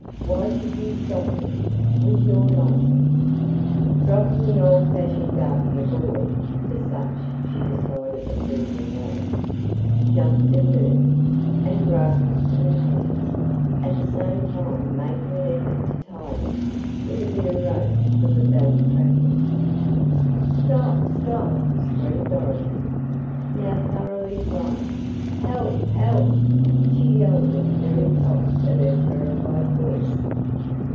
"Why should you stop me with your nonsense?" Dropping the old fashioned gun the boy (for such she decided the person was) jumped at her, and grasped her hands, at the same time making an effort to tie them, with a bit of rope from the belt trappings. "Stop! Stop!" Screamed Dorothy, now thoroughly frightened. "Help! Help!" she yelled at the very top of her terrified voice.